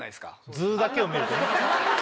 図だけを見るとね